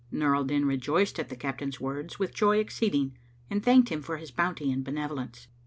Nur al Din rejoiced at the captain's words with joy exceeding and thanked him for his bounty and benevolence.